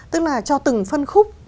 tức là cho từng phân khúc